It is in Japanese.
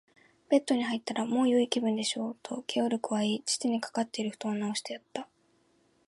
「ベッドに入ったら、もうよい気分でしょう？」と、ゲオルクは言い、父にかかっているふとんをなおしてやった。